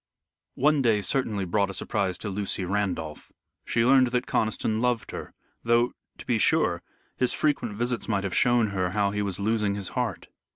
One day certainly brought a surprise to Lucy Randolph. She learned that Conniston loved her, though, to be sure, his frequent visits might have shown her how he was losing his heart.